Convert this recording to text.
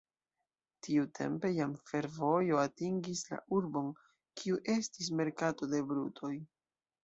Tiutempe jam fervojo atingis la urbon, kiu estis merkato de brutoj.